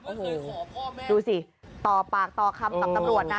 โอ้โหดูสิต่อปากต่อคำกับตำรวจนะ